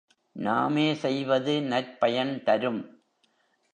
நாமே செய்வது நற்பயன் தரும்.